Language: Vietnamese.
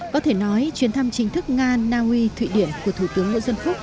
có thể nói chuyến thăm chính thức nga na uy thụy điển của thủ tướng nguyễn xuân phúc